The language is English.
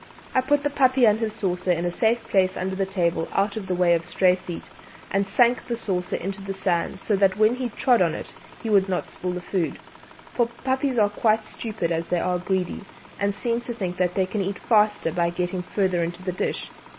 I put the puppy and his saucer in a safe place under the table out of the way of stray feet, and sank the saucer into the sand so that when he trod in it he would not spill the food; for puppies are quite stupid as they are greedy, and seem to think that they can eat faster by getting further into the dish.